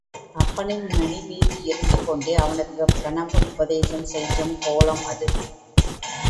அப்பனின் மடிமீது இருந்துக்கொண்டே அவனுக்கு பிரணவ உபதேசம் செய்யும் கோலம் அது.